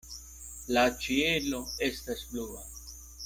La ĉielo estas blua.